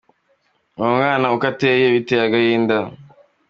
Uwo mwana uko ateye, biteye agahinda.